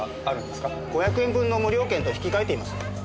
５００円分の無料券と引き換えています。